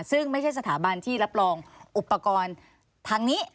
ซึ่งไม่ใช่สถาบันที่รับรองอุปกรณ์ทางนี้